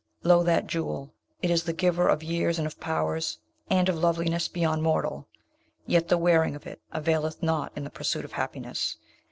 Lo, that Jewel! it is the giver of years and of powers, and of loveliness beyond mortal, yet the wearing of it availeth not in the pursuit of happiness.